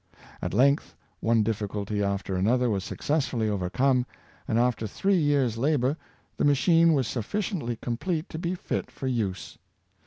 At length, one diffi culty after another was successfully overcome, and after three years' labor the machine was sufficiently com plete to be fit for use.